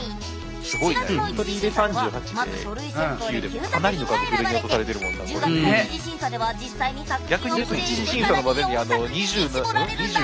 ７月の一次審査ではまず書類選考で９作品が選ばれて１０月の二次審査では実際に作品をプレイして更に４作品に絞られるんだ。